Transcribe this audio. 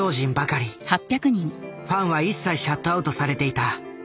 ファンは一切シャットアウトされていた。